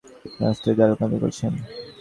তিনি অস্থায়ীভাবে দায়িত্বপালন করেছেন।